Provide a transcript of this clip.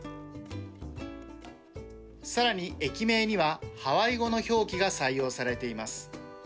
さらに駅名には、ハワイ語の表記が採用されています。